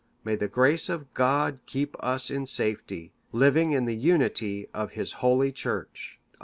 May the Grace of God keep us in safety, living in the unity of His Holy Church."